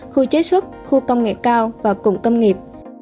khu chế xuất khu công nghệ cao và cụng công nghiệp